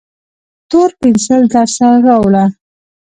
تور پینسیل درسره راوړه